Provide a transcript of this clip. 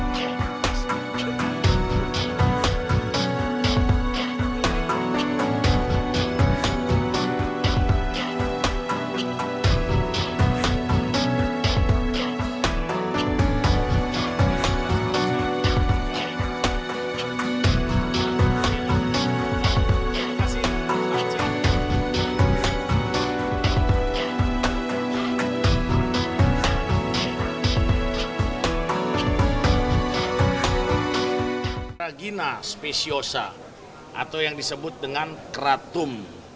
kerajina spesiosa atau yang disebut dengan kratum